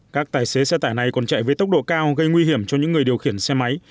các tài xế xe tải này còn chạy với tốc độ cao gây nguy hiểm cho những người điều khiển xe máy